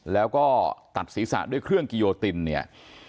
แล้วก็ตัดศีรษะด้วยเครื่องกิโยตินเนี่ย